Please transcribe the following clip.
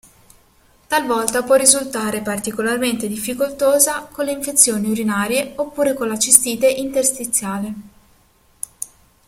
Talvolta può risultare particolarmente difficoltosa con le infezioni urinarie oppure con la cistite interstiziale.